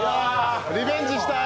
リベンジしたい。